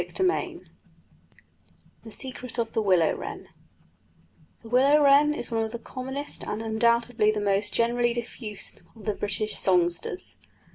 CHAPTER VI THE SECRET OF THE WILLOW WREN The willow wren is one of the commonest and undoubtedly the most generally diffused of the British songsters.